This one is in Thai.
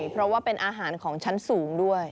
เพราะว่าเป็นอาหารของชั้นสูงด้วย